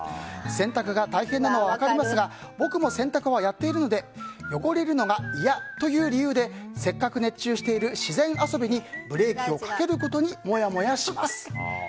洗濯が大変なのは分かりますが僕も洗濯はやっているので汚れるのが嫌という理由でせっかく熱中している自然遊びにブレーキをかけることにモヤモヤします。